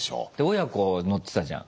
親子乗ってたじゃん。